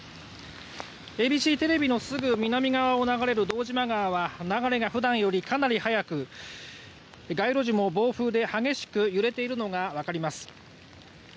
ＡＢＣテレビのすぐ南を流れる堂島川では流れが普段よりかなり速く街路樹も暴風で激しく揺れているのがわかります。